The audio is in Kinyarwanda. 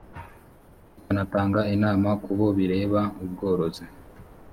ikanatanga inama kubo bireba ubworozi